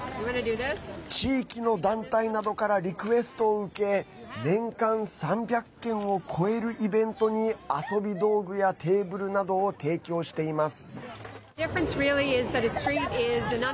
地域の団体などからリクエストを受け年間３００件を超えるイベントに遊び道具やテーブルなどを提供しています。